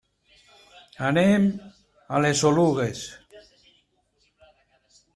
Anem a les Oluges.